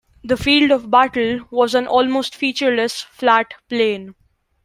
The field of battle was an almost featureless, flat plain.